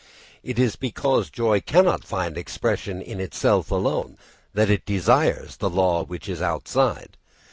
It is because joy cannot find expression in itself alone that it desires the law which is outside.